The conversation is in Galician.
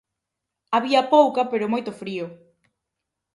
Había pouca pero moito frío.